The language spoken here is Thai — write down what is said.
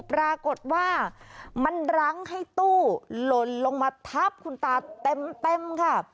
ปรากฏว่ามันรั้งให้ตู้หล่นลงมาทับคุณตาเต็มค่ะ